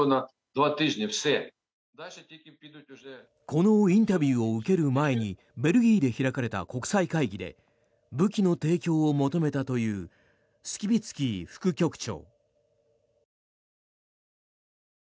このインタビューを受ける前にベルギーで開かれた国際会議で武器の提供を求めたというスキビツキー副局長。